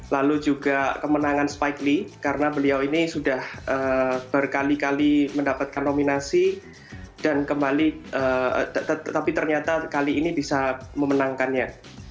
lalu juga kemenangan spike lee karena beliau ini sudah berkali kali mendapatkan nominasi tapi ternyata kali ini bisa memenangkannya